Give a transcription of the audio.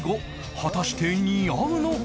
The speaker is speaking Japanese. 果たして似合うのか？